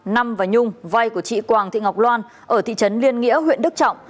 năm và nhung vay của chị quang thị ngọc loan ở thị trấn liên nghĩa huyện đức trọng